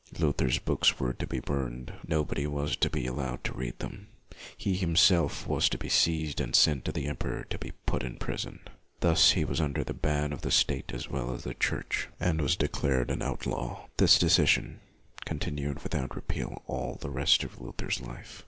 Luther's books were to be burned, nobody was to be allowed to read them, he himself was to be seized and sent to the emperor to be put in prison. Thus he was under the ban of the state as well as of the Church, and was declared an outlaw. This decision continued without repeal all the rest of Luther's life.